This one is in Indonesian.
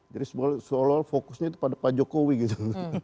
jadi seolah olah fokusnya pada pak jokowi gitu